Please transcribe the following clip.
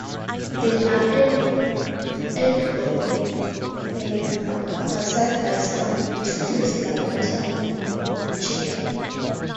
They are edible, and are said by some to taste like buttery chicken.